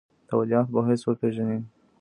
د ولیعهد په حیث وپېژني.